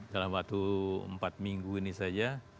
dalam waktu empat minggu ini saja